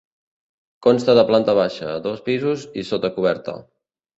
Consta de planta baixa, dos pisos i sota coberta.